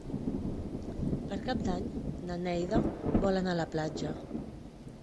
Per Cap d'Any na Neida vol anar a la platja.